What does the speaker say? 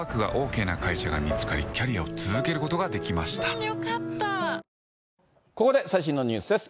やっぱり、ここで最新のニュースです。